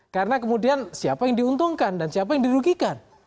karena kemudian siapa yang diuntungkan dan siapa yang dirugikan